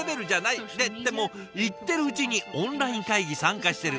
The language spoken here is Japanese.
ってでも言ってるうちにオンライン会議参加してる。